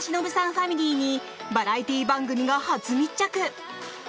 ファミリーにバラエティー番組が初密着！